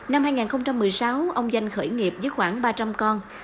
năm hai nghìn một mươi sáu ông danh khởi nghiệp với khoảng ba trăm linh con